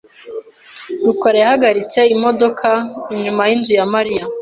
rukara yahagaritse imodoka inyuma yinzu ya Mariya .